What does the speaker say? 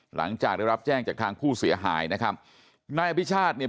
หลังจากได้รับแจ้งจากทางผู้เสียหายนะครับนายอภิชาติเนี่ย